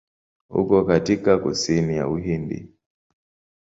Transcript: Uko katika kusini ya Uhindi.